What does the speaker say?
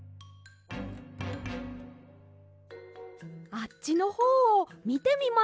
あっちのほうをみてみましょうか？